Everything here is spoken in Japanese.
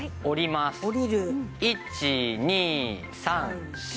１２３４。